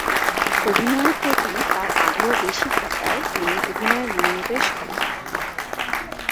অভিনয়ের প্রতি তার আগ্রহ বেশি থাকায় তিনি অভিনয়ে মনোনিবেশ করেন।